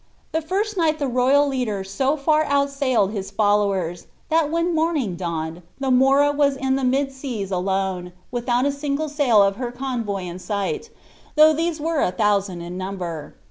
The first night the royal leader so far outsailed his followers, that when morning dawned, the Mora was in the mid seas alone, without a single sail of her convoy in sight, though these were a thousand in number.